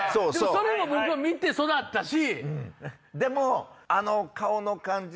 それも僕は見て育ったし。